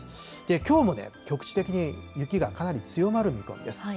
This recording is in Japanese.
きょうも局地的に雪がかなり強まる見込みです。